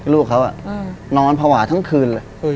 ที่ลูกเขาอะนอนผวาทั้งคืน